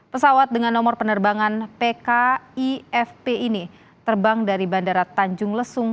pesawat dengan nomor penerbangan pkifp ini terbang dari bandara tanjung lesung